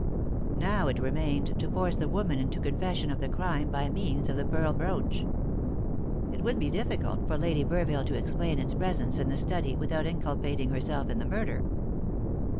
Now it remained to force the woman into confession of the crime by means of the pearl brooch. It would be difficult for Lady Burville to explain its presence in the study without inculpating herself in the murder.